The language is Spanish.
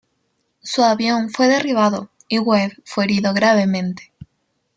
Su avión fue derribado y Webb fue herido gravemente.